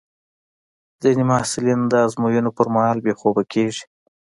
ځینې محصلین د ازموینو پر مهال بې خوبه کېږي.